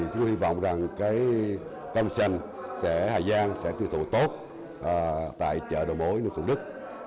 chúng tôi hy vọng cam xanh hà giang sẽ tiêu thụ tốt tại chợ đầu mối nước sông đức